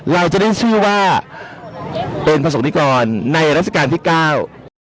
เราจะได้ชื่อว่าเป็นประสบกรณ์ในรัฐการณ์ที่เก้า